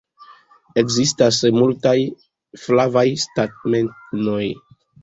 Ekzistas multaj flavaj stamenoj.